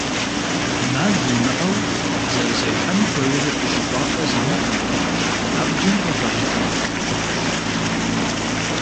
Ӏэмал имыӏэу зэрызехьэн хуейр жьы кӏуапӏэ зимыӏэ, абджым къыхэщӏыкӏа хьэкъущыкъущ.